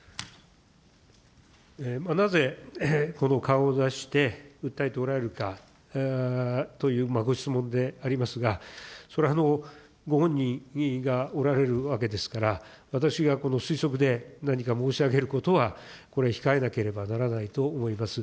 なぜこの顔出して、訴えておられるかというご質問でありますが、それはご本人がおられるわけですから、私がこの推測で何か申し上げることは、これは控えなければならないと思います。